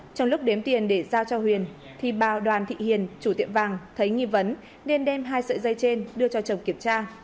trong lúc đếm tiền để giao cho huyền thì bà đoàn thị hiền chủ tiệm vàng thấy nghi vấn nên đem hai sợi dây trên đưa cho chồng kiểm tra